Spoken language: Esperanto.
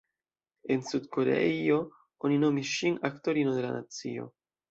En Sud-Koreio oni nomis ŝin ""aktorino de la nacio"".